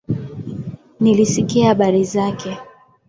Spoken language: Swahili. Nilisikia habari zake